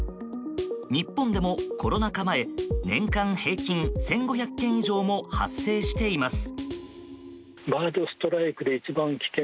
日本でもコロナ禍前年間平均１５００件以上も発生しています。